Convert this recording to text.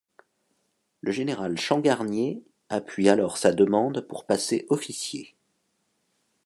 Le général Changarnier appuie alors sa demande pour passer officier.